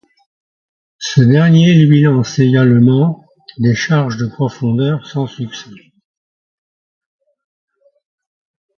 Ce dernier lui lance également des charges de profondeur sans succès.